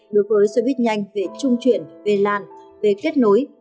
đối với xe buýt nhanh về trung chuyển về lan về kết nối